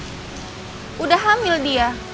sudah hamil dia